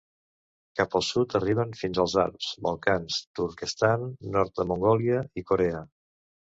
Cap al sud arriben fins als Alps, Balcans, Turquestan, nord de Mongòlia i Corea.